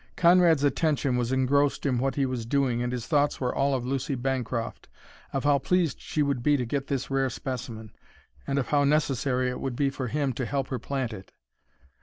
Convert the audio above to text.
Conrad's attention was engrossed in what he was doing and his thoughts were all of Lucy Bancroft, of how pleased she would be to get this rare specimen, and of how necessary it would be for him to help her plant it.